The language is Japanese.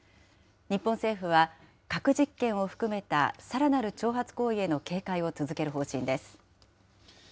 日本政府は、核実験を含めたさらなる挑発行為への警戒を続ける方針です。